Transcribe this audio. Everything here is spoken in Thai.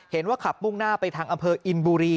เห็นว่าขับมุ่งหน้าไปทางอำเภออินบุรี